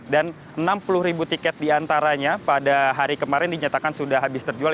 dan enam puluh ribu tiket diantaranya pada hari kemarin dinyatakan sudah habis terjual